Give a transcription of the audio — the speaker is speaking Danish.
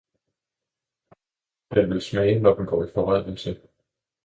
hvor den vil smage når den går i forrådnelse!